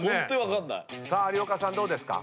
さあ有岡さんどうですか？